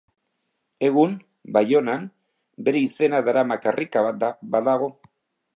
Egun Baionan bere izena daraman karrika bat badago.